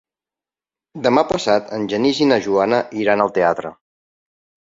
Demà passat en Genís i na Joana iran al teatre.